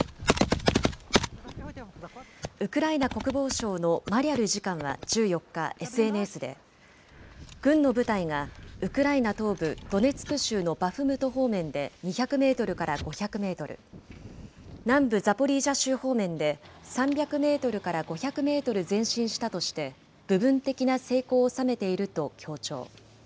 ウクライナ国防省のマリャル次官は１４日、ＳＮＳで軍の部隊がウクライナ東部ドネツク州のバフムト方面で２００メートルから５００メートル、南部ザポリージャ州方面で３００メートルから５００メートル前進したとして、部分的な成功を収めていると強調。